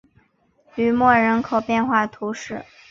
吕莫人口变化图示